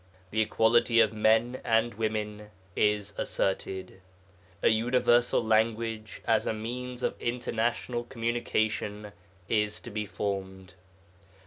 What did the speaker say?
The equality of men and women is asserted. A universal language as a means of international communication is to be formed.